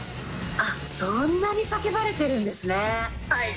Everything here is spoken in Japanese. あっ、そんなに叫ばれてるんはい。